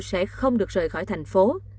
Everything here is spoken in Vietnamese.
sẽ không được rời khỏi thành phố